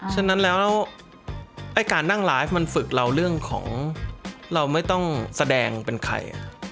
ฉะนั้นแล้วไอ้การนั่งไลฟ์มันฝึกเราเรื่องของเราไม่ต้องแสดงเป็นใคร